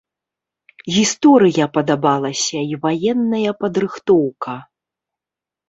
Гісторыя падабалася і ваенная падрыхтоўка.